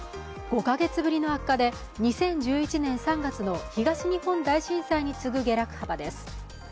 ５カ月ぶりの悪化で２０１１年３月の東日本大震災に次ぐ下落幅です。